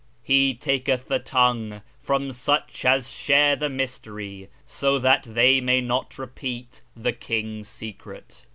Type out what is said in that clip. He taketh the tongue from such as share the mystery, So that they may not repeat the King's secret.'